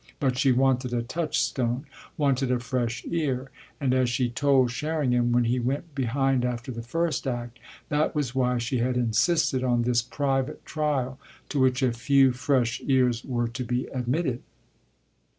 But she wanted a touchstone, wanted a fresh ear, and, as she told Sherringham when he went behind after the first act, that was why she had insisted on this private trial, to which a few fresh ears were to be admitted.